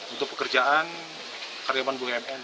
untuk pekerjaan karyawan bumn